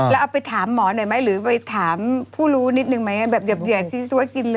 แล้วเอาไปถามหมอหน่อยไหมหรือไปถามผู้รู้นิดนึงไหมแบบเหยียดซิสว่ากินเลย